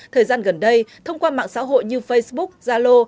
thời gian gần đây thông qua mạng xã hội như facebook zalo